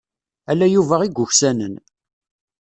Ala Yuba i yuksanen.